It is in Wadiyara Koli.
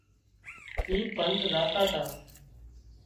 اي پند زاتا تا